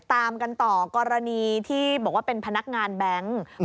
ตามกันต่อกรณีที่บอกว่าเป็นพนักงานแบงค์